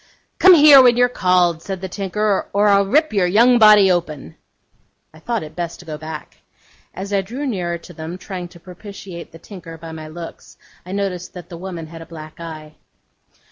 'Come here, when you're called,' said the tinker, 'or I'll rip your young body open.' I thought it best to go back. As I drew nearer to them, trying to propitiate the tinker by my looks, I observed that the woman had a black eye.